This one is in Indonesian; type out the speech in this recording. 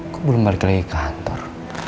kok belum balik lagi ke kantor